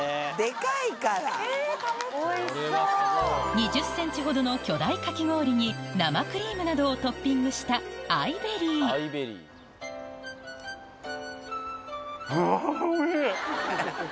２０ｃｍほどの巨大かき氷に生クリームなどをトッピングしたうわ。